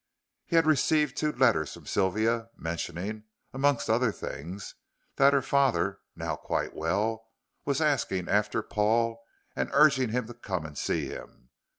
He had received two letters from Sylvia, mentioning, amongst other things, that her father, now quite well, was asking after Paul, and urging him to come and see him.